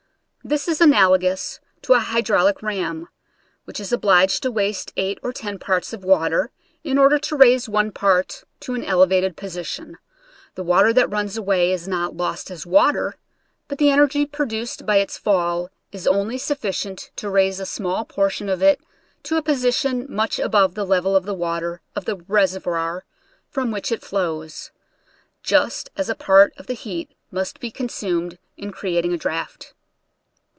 (This is analogous to a hydraulic ram, which is obliged to waste eight or ten parts of water in order to raise one part to an elevated position. The water that runs away is not lost as water, but the energy produced by its fall is only sufficient to raise a small portion of it to a position much above the level of the water of the reservoir from which it flows — just as a part of the heat must be consumed in creating a draft.)